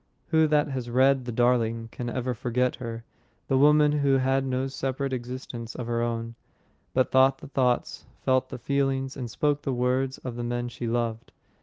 Who that has read The Darling can ever forget her the woman who had no separate existence of her own, but thought the thoughts, felt the feelings, and spoke the words of the men she loved?